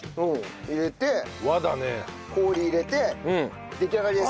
入れて氷入れて出来上がりです。